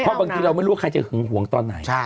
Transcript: เพราะบางทีเราไม่รู้ว่าใครจะหึงหวงตอนไหน